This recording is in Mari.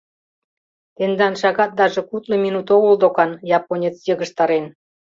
Тендан шагатдаже кудло минут огыл, докан, — японец йыгыжтарен.